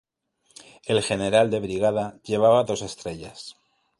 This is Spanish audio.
El general de brigada lleva dos estrellas.